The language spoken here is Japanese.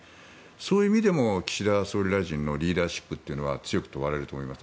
そういう意味でも岸田総理大臣のリーダーシップというのは強く問われると思います。